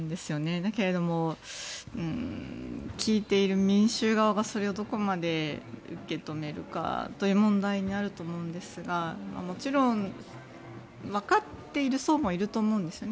だけれども、聞いている民衆側がそれをどこまで受け止めるかという問題になると思うんですがもちろんわかっている層もいると思うんですね。